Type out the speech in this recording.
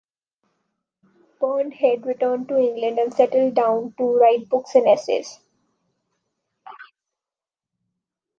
Bond Head returned to England and settled down to write books and essays.